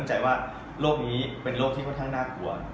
จะเป็นโรคนี้เป็นโรคน่ากลัว